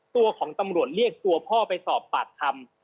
ตัวของตำรวจเรียกตัวพ่อไปสอบปากคำ